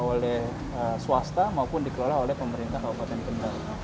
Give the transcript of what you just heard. oleh swasta maupun dikelola oleh pemerintah kabupaten kendal